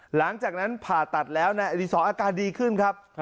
หลังจากนั้นผ่าตัดแล้วนายอดีศรอาการดีขึ้นครับ